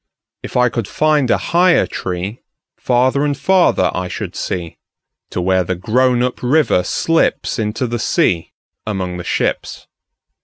If I could find a higher treeFarther and farther I should see, To where the grown up river slipsInto the sea among the ships.